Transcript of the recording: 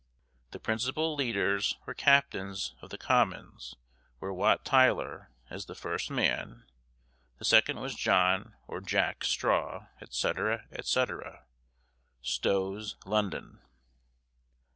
The principal leaders, or captains, of the commons, were Wat Tyler, as the first man; the second was John, or Jack, Straw, etc., etc." STOW'S London.